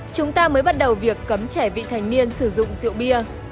chúng ta mới bắt đầu việc cấm trẻ vị thành niên sử dụng rượu bia